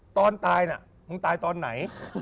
ตอนตายน่ะตอนไหน